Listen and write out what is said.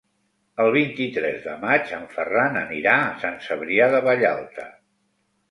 El vint-i-tres de maig en Ferran anirà a Sant Cebrià de Vallalta.